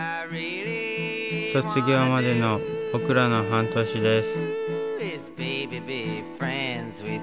卒業までの僕らの半年です。